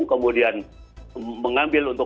kemudian mengambil untuk